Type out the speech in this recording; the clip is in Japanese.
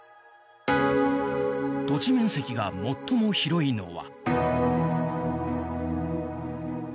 土地面積が最も広いのは。